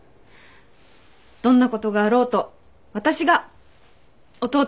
どんなことがあろうと私が弟さんを守ります。